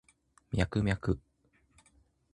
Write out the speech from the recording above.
ミャクミャク